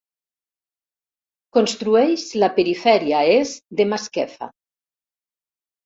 Construeix la perifèria est de Masquefa.